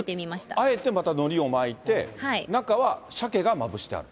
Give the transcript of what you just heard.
あえてまたのりを巻いて、中はしゃけがまぶしてある。